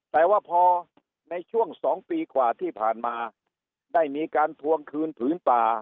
แต่ว่าพอในช่วง๒ปีกว่าที่ผ่านมาได้มีการทวงคืนผืนป่า